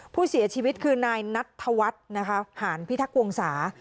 ผู้เสียชีวิตคือนายนัทธวัฒน์นะคะหารพิทักษวงศา